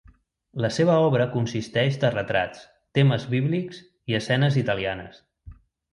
La seva obra consisteix de retrats, temes bíblics i escenes italianes.